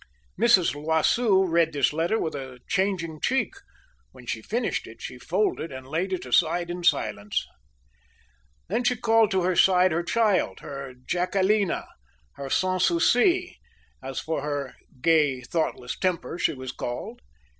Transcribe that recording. Mrs. L'Oiseau read this letter with a changing cheek when she finished it she folded and laid it aside in silence. Then she called to her side her child her Jacquelina her Sans Souci as for her gay, thoughtless temper she was called.